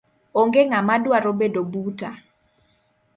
Onge ngama dwaro bedo buta